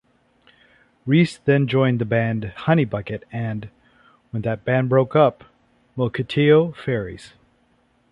Reece then joined the band Honeybucket and, when that band broke up, Mukilteo Fairies.